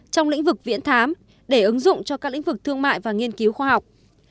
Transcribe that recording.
trong lĩnh vực viễn thám để ứng dụng cho các lĩnh vực thương mại và nghiên cứu khoa học